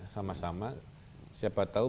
sama sama siapa tahu